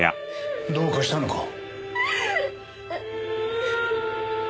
どうかしたのか？